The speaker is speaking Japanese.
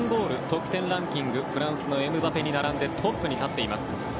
得点ランキングでフランスのエムバペに並んでトップに立っています。